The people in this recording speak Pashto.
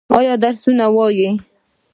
ایا درسونه وايي؟